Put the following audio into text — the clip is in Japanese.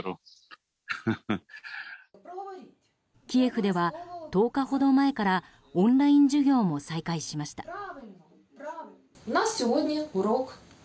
キエフでは１０日ほど前からオンライン授業も再開しました。